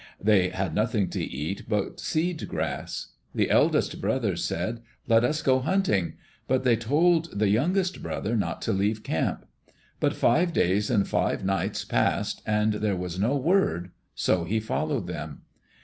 They had nothing to eat but seed grass. The eldest brother said, "Let us go hunting," but they told the youngest brother not to leave camp. But five days and five nights passed, and there was no word. So he followed them.